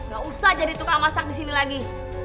gak usah jadi tukang masak di sini lagi